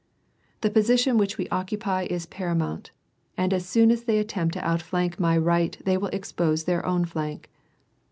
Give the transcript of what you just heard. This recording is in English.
The position which we occupy is paramount, and as soon as they *^^cmpt to outflank my right they will expose their own flank.